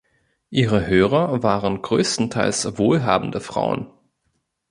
Ihre Hörer waren größtenteils wohlhabende Frauen.